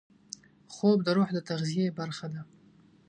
خوب د روح د تغذیې برخه ده